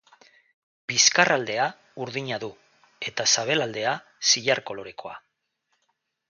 Bizkarraldea urdina du, eta sabelaldea zilar kolorekoa.